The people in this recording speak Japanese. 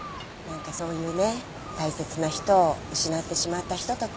何かそういうね大切な人を失ってしまった人とか。